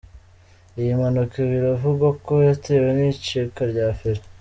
Iyi mpanuka biravugwa ko yatewe n’icika rya feri.